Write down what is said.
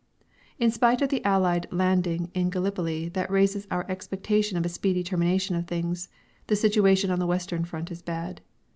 In spite of the Allied landing in Gallipoli that raises our expectation of a speedy termination of things, the situation on the Western front is bad.